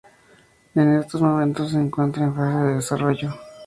En estos momentos se encuentra en fase de desarrollo.